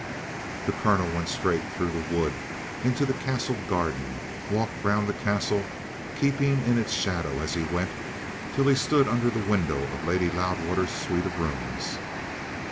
The Colonel went straight through the wood into the Castle garden, walked round the Castle, keeping in its shadow as he went, till he stood under the window of Lady Loudwater's suite of rooms.